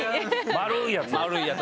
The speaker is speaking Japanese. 丸いやつ。